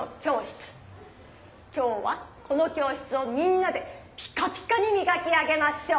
今日はこの教室をみんなでピカピカにみがき上げましょう。